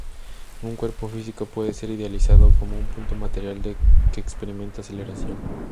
Un cuerpo físico puede ser idealizado como un punto material que experimenta aceleración.